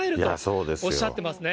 おっしゃってましたね